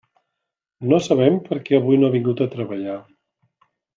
No sabem per què avui no ha vingut a treballar.